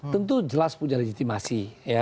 tentu jelas punya legitimasi